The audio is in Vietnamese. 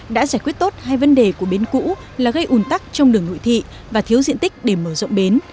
đã giải quyết tốt hai vấn đề của bến cũ là gây ủn tắc trong đường nội thị và thiếu diện tích để mở rộng bến